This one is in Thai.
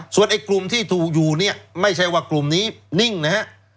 ส่วนไอ้กลุ่มที่ถูกอยู่เนี่ยไม่ใช่ว่ากลุ่มนี้นิ่งนะฮะ